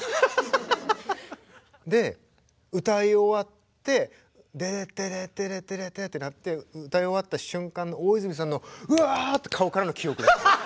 歌い終わってデレッテレッテレッテレッテってなって歌い終わった瞬間の大泉さんのうわって顔からの記憶。